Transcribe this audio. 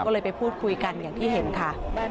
ก็เลยไปพูดคุยกันอย่างที่เห็นค่ะ